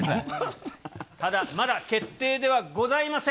ただ、まだ決定ではございません。